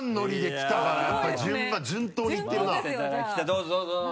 どうぞどうぞ。